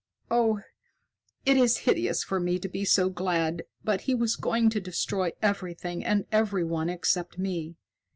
"Oh, it is hideous for me to be so glad, but he was going to destroy everything and everyone except me.